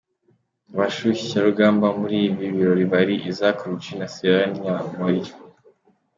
Abashyushyarugamba muri ibi birori bari: Isaac Rucci na Serraine Nyamori.